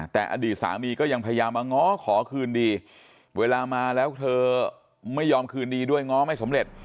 แต่อดีตสามีก็ยังพยายามมาง้อขอคืนดีเวลามาแล้วเธอไม่ยอมคืนดีด้วยง้อไม่สำเร็จ